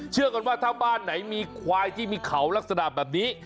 เชื่อกันว่าถ้าบ้านไหนมีควายที่มีเขาลักษณะแบบนี้